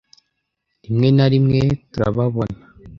rimwe na rimwe turababona